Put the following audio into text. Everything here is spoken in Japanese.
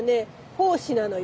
胞子なのよ。へ。